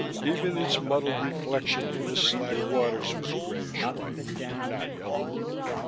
Even its muddled reflection in the slagged waters was grayish white, not yellow.